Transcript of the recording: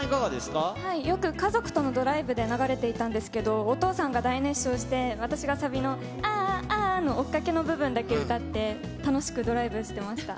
よく家族とのドライブで流れていたんですけど、お父さんが大熱唱して、私がさびの、ああ、ああの追っかけの部分だけ歌って、楽しくドライブしてました。